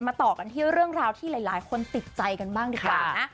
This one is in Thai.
ต่อกันที่เรื่องราวที่หลายคนติดใจกันบ้างดีกว่านะ